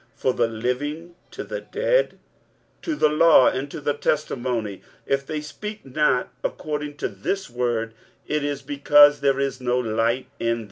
for the living to the dead? 23:008:020 To the law and to the testimony: if they speak not according to this word, it is because there is no light in them.